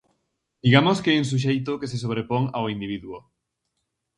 Digamos que hai un suxeito que se sobrepón ao individuo.